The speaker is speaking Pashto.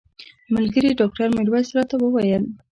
ملګري ډاکټر میرویس راته وویل.